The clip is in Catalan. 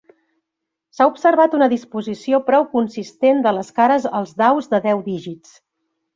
S'ha observat una disposició prou consistent de les cares als daus de deu dígits.